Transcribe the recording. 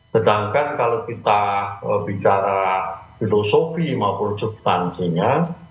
sedangkan kalau kita bicara filosofi maupun substansinya